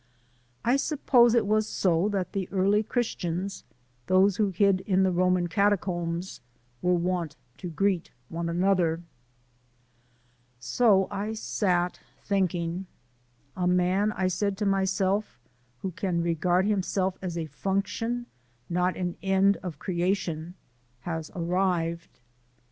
I suppose it was so that the early Christians, those who hid in the Roman catacombs, were wont to greet one another. So I sat thinking. "A man," I said to myself, "who can regard himself as a function, not an end of creation, has arrived."